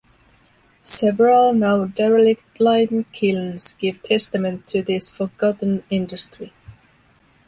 Several now derelict lime kilns give testament to this forgotten industry.